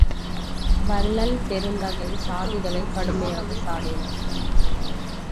வள்ளல் பெருந்தகை சாதிகளைக் கடுமையாகவே சாடினார்.